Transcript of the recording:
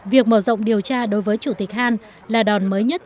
việc mở rộng điều tra đối với chủ tịch han là đòn mới nhất